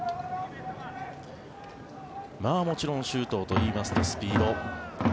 もちろん周東といいますとスピード。